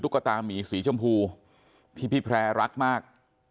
กระตามีสีชมพูที่พี่แพร่รักมาก